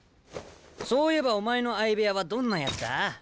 そういえばお前の相部屋はどんなやつだ？